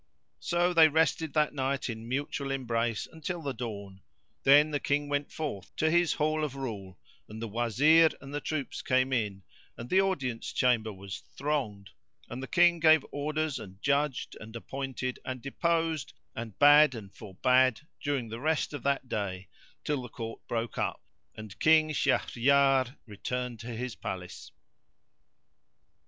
So they rested that night in mutual embrace until the dawn. Then the King went forth to his Hall of Rule, and the Wazir and the troops came in, and the audience chamber was thronged and the King gave orders and judged and appointed and deposed and bade and forbade during the rest of that day till the Court broke up, and King Shahryar returned to his palace.